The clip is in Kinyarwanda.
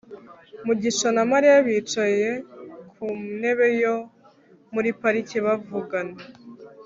mugisha na mariya bicaye ku ntebe yo muri parike bavugana